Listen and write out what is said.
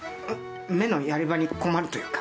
目のやり場に困るというか。